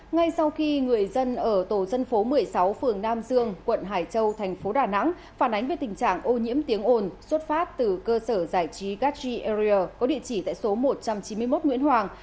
ngay sau khi người dân ở tổ dân phố một mươi sáu phường nam dương quận hải châu thành phố đà nẵng phản ánh về tình trạng ô nhiễm tiếng ồn xuất phát từ cơ sở giải trí gatg arier có địa chỉ tại số một trăm chín mươi một nguyễn hoàng